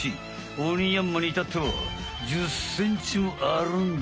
オニヤンマにいたっては１０ｃｍもあるんだ。